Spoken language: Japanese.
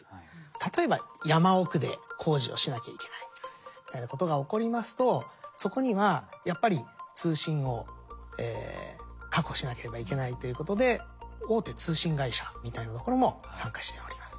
例えば山奥で工事をしなきゃいけないみたいなことが起こりますとそこにはやっぱり通信を確保しなければいけないということで大手通信会社みたいなところも参加しております。